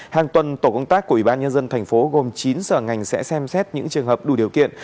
hàng tuần tổ công tác của ủy ban nhân dân thành phố gồm chín sở ngành sẽ xem xét những trường hợp đủ điều kiện